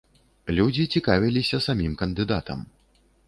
Людзі цікавіліся самім кандыдатам.